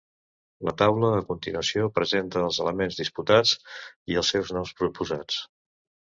La taula a continuació presenta els elements disputats i els seus noms proposats.